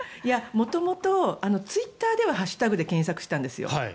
元々ツイッターではハッシュタグで検索をしていたんですよ。